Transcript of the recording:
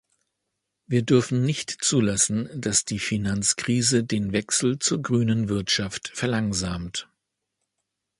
Wir dürfen nicht zulassen, dass die Finanzkrise den Wechsel zur grünen Wirtschaft verlangsamt.